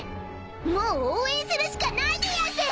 ［もう応援するしかないでやんす！］